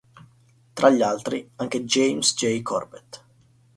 Tra gli altri, anche James J. Corbett.